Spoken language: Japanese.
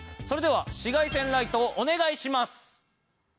それでは紫外線ライトお願いします。